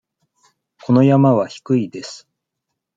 この山は低いです。